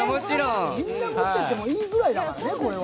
みんな思っててもいいぐらいだもんね、これは。